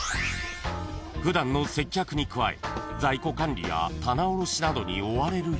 ［普段の接客に加え在庫管理や棚卸しなどに追われる日々］